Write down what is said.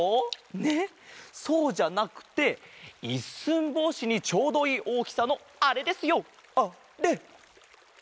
ねっそうじゃなくて一寸法師にちょうどいいおおきさのあれですよあれ！